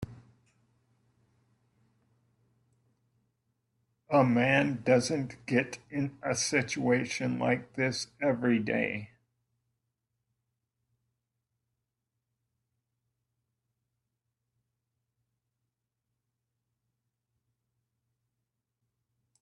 A man doesn't get in a situation like this every day.